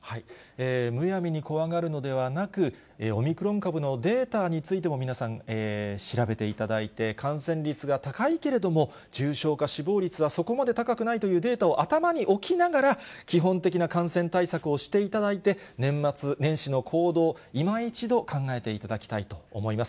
むやみに怖がるのではなく、オミクロン株のデータについても皆さん、調べていただいて、感染率が高いけれども重症化、死亡率はそこまで高くないというデータを頭に置きながら、基本的な感染対策をしていただいて、年末年始の行動、いま一度考えていただきたいと思います。